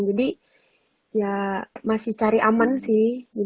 jadi ya masih cari aman sih